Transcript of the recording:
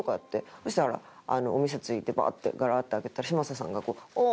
そしたらお店着いてバーッてガラッて開けたら嶋佐さんがおお！